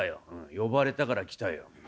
「呼ばれたから来たよ」。